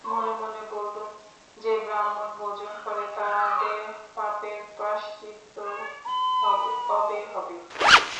মনে মনে বললুম, যে ব্রাহ্মণ ভোজন করে তাদের পাপের প্রায়শ্চিত্ত কবে হবে?